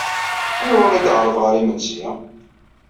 Anwa ay d-teɛreḍ ɣer yimensi?